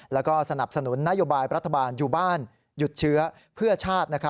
แล้วก็สนับสนุนนโยบายรัฐบาลอยู่บ้านหยุดเชื้อเพื่อชาติ